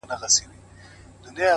o د مسجد لوري، د مندر او کلیسا لوري،